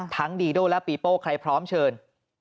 ดีโดและปีโป้ใครพร้อมเชิญ